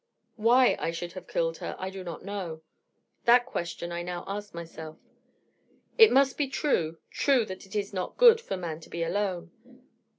Why I should have killed her I do not know. That question I now ask myself. It must be true, true that it is 'not good' for man to be alone.